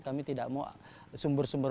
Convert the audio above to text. kami tidak mau sumber sumber